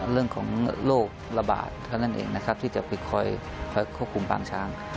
เรื่องของโลกระบาดเท่านั้นเองที่จะควบคุมปางช้าง